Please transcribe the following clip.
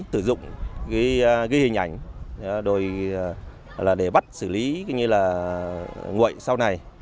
chúng tôi sẽ sử dụng ghi hình ảnh để bắt xử lý nguội sau này